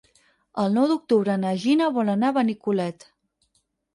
El nou d'octubre na Gina vol anar a Benicolet.